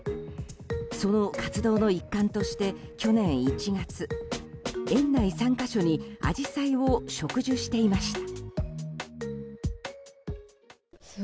その活動の一環として去年１月園内３か所にアジサイを植樹していました。